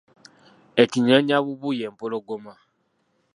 Ekinyeenyambubbu ye mpologoma.